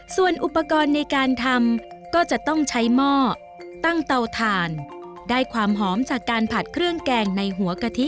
ส่วนอุปกรณ์ในการทำก็จะต้องใช้หม้อตั้งเตาถ่านได้ความหอมจากการผัดเครื่องแกงในหัวกะทิ